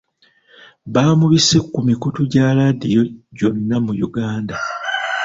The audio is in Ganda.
Baamubise ku mikutu gya laadiyo gyonna mu Uganda.